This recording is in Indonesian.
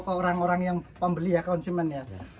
ke orang orang yang pembeli ya konsumen ya